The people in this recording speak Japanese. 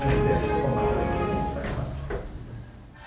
コンパクトにニュースをお伝えします。